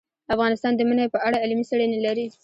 افغانستان د منی په اړه علمي څېړنې لري.